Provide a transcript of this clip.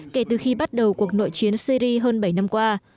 kể từ khi bắt đầu cuộc nội chiến syri hơn bảy năm qua